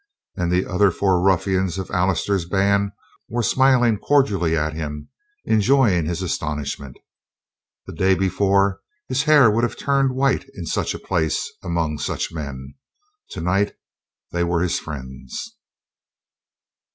And the other four ruffians of Allister's band were smiling cordially at him, enjoying his astonishment. The day before his hair would have turned white in such a place among such men; tonight they were his friends.